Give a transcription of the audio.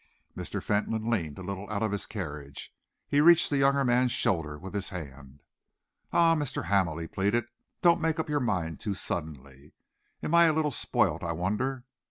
Mr. Fentolin leaned a little out of his carriage. He reached the younger man's shoulder with his hand. "Ah! Mr. Hamel," he pleaded, "don't make up your mind too suddenly. Am I a little spoilt, I wonder?